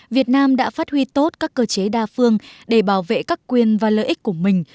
việt nam đã phát huy tốt các cơ chế đa phương để bảo vệ các quyền và lợi ích của mình